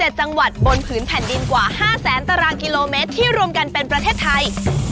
๗จังหวัดบนผืนแผ่นดินกว่า๕แสนตารางกิโลเมตรที่รวมกันเป็นประเทศไทย